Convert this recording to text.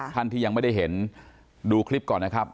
ท่านที่ยังไม่ได้เห็นดูคลิปก่อนนะครับ